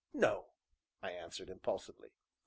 "No," I answered impulsively.